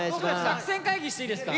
作戦会議していいですか？